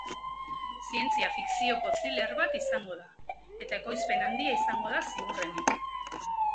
Zientzia fikzioko thriller bat izango da eta ekoizpen handia izango da ziurrenik.